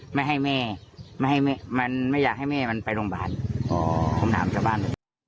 ไม่ให้แม่มันไม่อยากให้แม่มันไปโรงพยาบาล